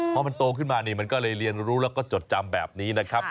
พอมันโตขึ้นมานี่มันก็เลยเรียนรู้แล้วก็จดจำแบบนี้นะครับ